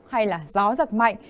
hay là gió giật mạnh